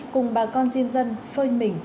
cùng bà con diêm dân phơi mình